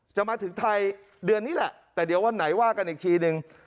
จะมาถึงไทยเดือนนี้แหละแต่เดี๋ยววันไหนว่ากันอีกทีนึง